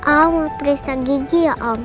om mau perisa gigi ya om